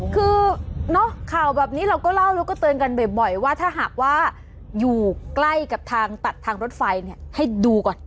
คือข่าวแบบนี้เราก็เล่าแล้วก็เตือนกันบ่อยว่าถ้าหากว่าอยู่ใกล้กับทางตัดทางรถไฟเนี่ยให้ดูก่อน